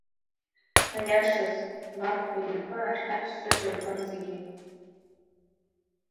Аиашаз, лабхәа инапы ахьы аԥссоит рҳәон зегьы.